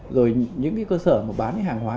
rồi những cơ sở bán hàng hóa